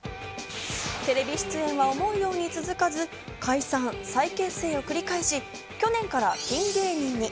テレビ出演は思うように続かず解散、再結成を繰り返し、去年からピン芸人に。